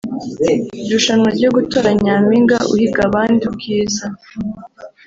Irushanwa ryo gutora Nyampinga uhiga abandi ubwiza